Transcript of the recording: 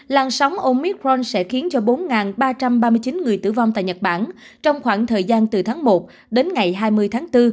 làn sóng omitront sẽ khiến cho bốn ba trăm ba mươi chín người tử vong tại nhật bản trong khoảng thời gian từ tháng một đến ngày hai mươi tháng bốn